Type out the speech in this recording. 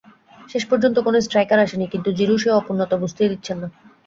শেষ পর্যন্ত কোনো স্ট্রাইকার আসেনি, কিন্তু জিরু সেই অপূর্ণতা বুঝতেই দিচ্ছেন না।